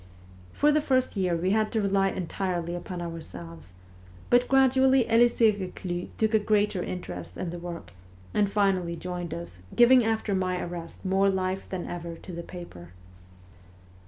For the first year we had to rely entirely upon ourselves ; but gradually Elisee Reclus took a greater interest in the work, and finally joined us, giving after my arrest more life than ever to the paper.